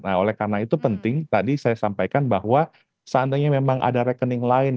nah oleh karena itu penting tadi saya sampaikan bahwa seandainya memang ada rekening lain